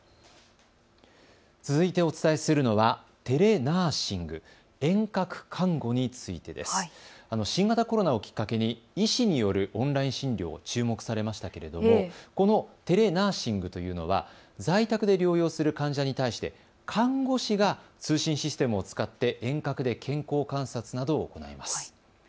続いてお伝えするのはテレナージング・遠隔看護についてです。新型コロナをきっかけに医師によるオンライン診療、注目されましたけれどもこのテレナーシングというのは在宅で療養する患者に対して看護師が通信システムを使って遠隔で健康観察などを行います。